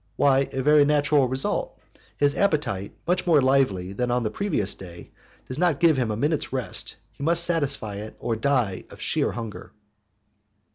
Why, a very natural result. His appetite, much more lively than on the previous day, does not give him a minute's rest he must satisfy it or die of sheer hunger.